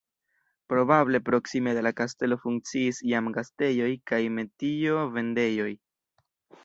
Probable proksime de la kastelo funkciis jam gastejoj kaj metio-vendejoj.